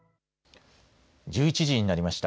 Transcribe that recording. １１時になりました。